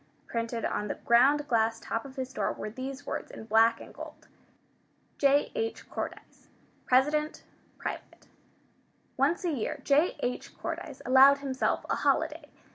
Printed on the ground glass top of his door were these words in black and gold: J. H. CORDYCE President Private Once a year J. H. Cordyce allowed himself a holiday.